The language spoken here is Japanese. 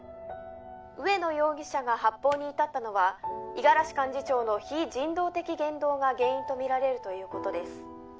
「植野容疑者が発砲に至ったのは五十嵐幹事長の非人道的言動が原因とみられるという事です」